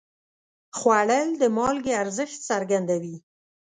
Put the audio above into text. خوړل د مالګې ارزښت څرګندوي